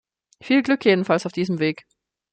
Viel Glück jedenfalls auf diesem Weg!